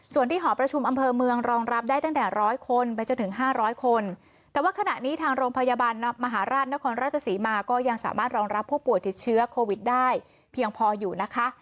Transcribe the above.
ส่วนที่หอประชุมอำเภอเมืองรองรับได้ตั้งแต่ร้อยคนไปจนถึง๕๐๐คนแต่ว่าขณะนี้ทางโรงพยาบาลมหาราชนครราชศรีมาก็ยังสามารถรองรับผู้ป่วยติดเชื้อโควิดได้เพียงพออยู่นะคะ